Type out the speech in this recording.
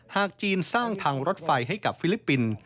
จีนสร้างทางรถไฟให้กับฟิลิปปินส์